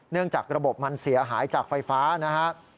เนื่องจากระบบมันเสียหายจากไฟฟ้านะฮะ